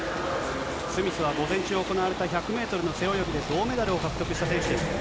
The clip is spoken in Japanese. スミスは午前中行われた１００メートルの背泳ぎで銅メダルを獲得した選手です。